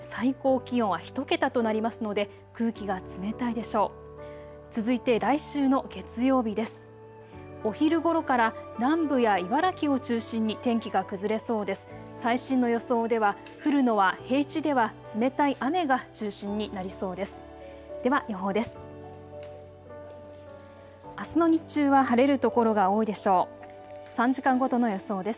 最新の予想では降るのは平地では冷たい雨が中心になりそうです。